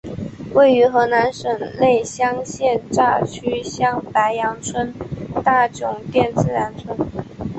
位于河南省内乡县乍曲乡白杨村大窑店自然村。